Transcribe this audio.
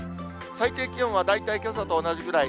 最低気温は大体けさと同じぐらい。